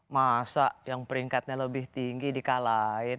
masa yang peringkatnya lebih tinggi di kalain